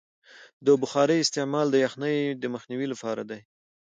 د بخارۍ استعمال د یخنۍ د مخنیوي لپاره دی.